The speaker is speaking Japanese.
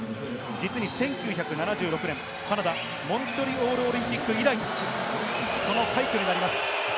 実に１９７６年、カナダ・モントリオールオリンピック以来、その快挙になります。